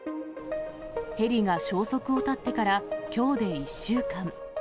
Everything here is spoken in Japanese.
ヘリが消息を絶ってから、きょうで１週間。